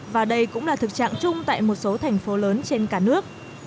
và đây cũng là thực trạng chung tại một số thành phố lớn trên cả nước